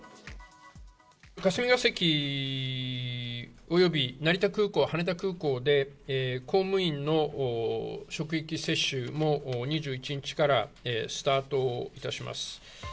霞が関および成田空港、羽田空港で公務員の職域接種も２１日からスタートいたします。